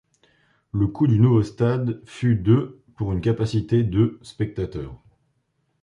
Le coût du nouveau stade fut de pour une capacité de spectateurs.